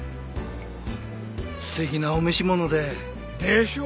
素敵なお召し物で。でしょ？